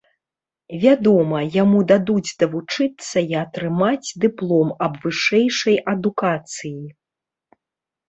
Вядома, яму дадуць давучыцца і атрымаць дыплом аб вышэйшай адукацыі.